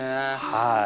はい。